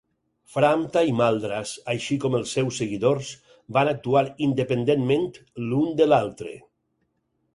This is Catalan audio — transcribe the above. Framta i Maldras, així com els seus seguidors, van actuar independentment l'un de l'altre.